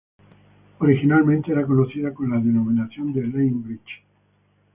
Originalmente era conocida con la denominación de "Lane Bridge".